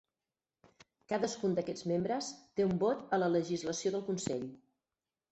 Cadascun d'aquests membres té un vot a la legislació del consell.